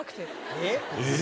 えっ？